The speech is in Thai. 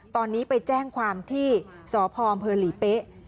ตอนนี้ไปแจ้งความที่สพหลีเป๊ะ